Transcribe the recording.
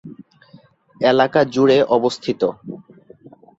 এলাকা জুড়ে অবস্থিত।